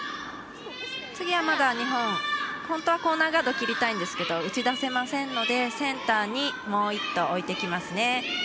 次はまだ日本本当はコーナーガードを切りたいんですけど打ち出せませんのでセンターに、もう１投置いてきますね。